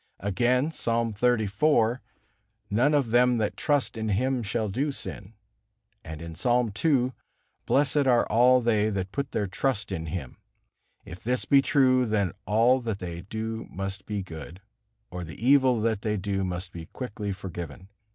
Again, Psalm xxxiv: "None of them that trust in Him shall do sin." And in Psalm ii: "Blessed are all they that put their trust in Him." If this be true, then all that they do must be good, or the evil that they do must be quickly forgiven.